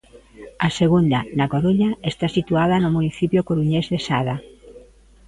A segunda, na Coruña, está situada no municipio coruñés de Sada.